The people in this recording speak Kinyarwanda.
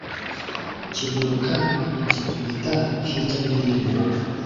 kiguruka gikubita hirya no hino